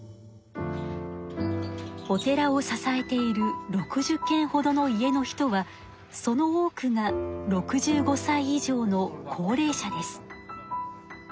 お寺を支えている６０けんほどの家の人はその多くが６５歳以上の高齢者です。